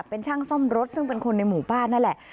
เป็นช่างซ่อมรถซึ่งเป็นคนในหมู่บ้านนั่นแหละ